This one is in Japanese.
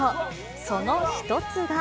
その一つが。